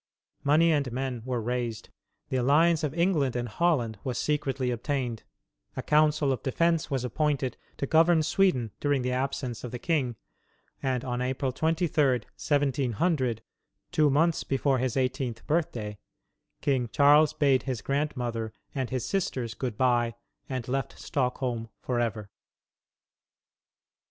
Money and men were raised, the alliance of England and Holland was secretly obtained, a council of defence was appointed to govern Sweden during the absence of the king, and on April 23, 1700, two months before his eighteenth birthday, King Charles bade his grandmother and his sisters good by and left Stockholm forever.